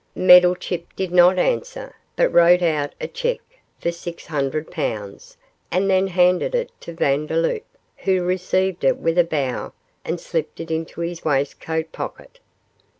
Meddlechip did not answer, but wrote out a cheque for six hundred pounds, and then handed it to Vandeloup, who received it with a bow and slipped it into his waistcoat pocket.